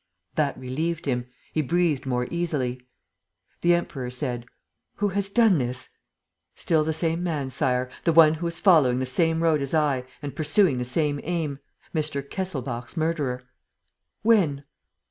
That relieved him. He breathed more easily. The Emperor said: "Who has done this?" "Still the same man, Sire, the one who is following the same road as I and pursuing the same aim: Mr. Kesselbach's murderer." "When?"